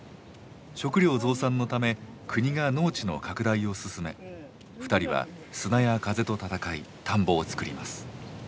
食糧増産のため国が農地の拡大を進め２人は砂や風と戦い田んぼをつくります。